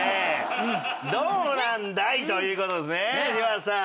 どうなんだい？という事ですね柴田さん。